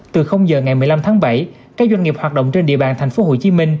từ giờ ngày một mươi năm tháng bảy các doanh nghiệp hoạt động trên địa bàn tp hcm